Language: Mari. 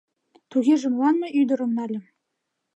Тугеже молан мый ӱдырым нальым?